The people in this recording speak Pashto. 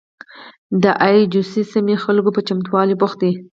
د اي جو سیمې خلک په چمتوالي بوخت وو.